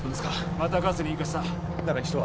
またガスに引火した中に人は！？